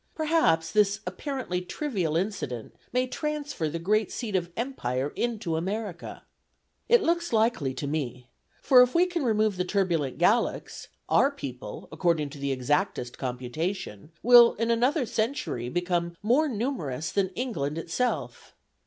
Perhaps this apparently trivial incident may transfer the great seat of empire into America. It looks likely to me; for if we can remove the turbulent Gallicks, our people, according to the exactest computation, will in another century become more numerous than England itself.